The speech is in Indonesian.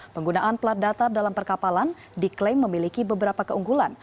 penggunaan plat datar dalam perkapalan diklaim memiliki beberapa keunggulan